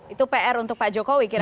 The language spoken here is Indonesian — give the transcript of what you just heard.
itu pr untuk pak jokowi kira kira